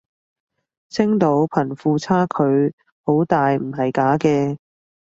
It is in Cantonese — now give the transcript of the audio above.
星島貧富差距好大唔係假嘅